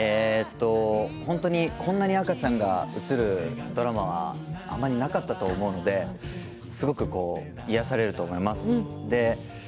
本当にこんなに赤ちゃんが映るドラマはあまりなかったと思うのですごく癒やされると思います。